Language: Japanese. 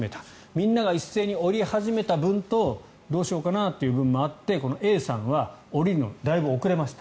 みんなが一斉に降り始めた分とどうしようかなという分もあってＡさんは降りるのがだいぶ遅れました。